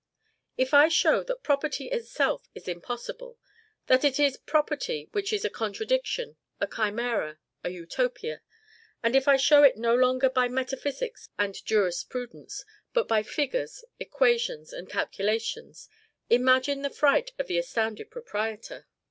If I show that property itself is impossible that it is property which is a contradiction, a chimera, a utopia; and if I show it no longer by metaphysics and jurisprudence, but by figures, equations, and calculations, imagine the fright of the astounded proprietor!